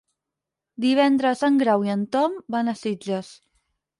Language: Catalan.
Divendres en Grau i en Tom van a Sitges.